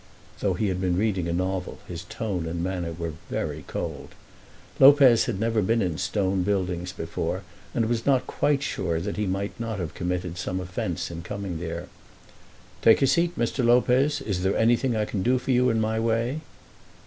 Though he had been reading a novel his tone and manner were very cold. Lopez had never been in Stone Buildings before, and was not quite sure that he might not have committed some offence in coming there. "Take a seat, Mr. Lopez. Is there anything I can do for you in my way?"